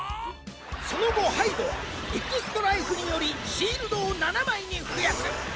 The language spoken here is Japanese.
その後ハイドはエクストライフによりシールドを７枚に増やす。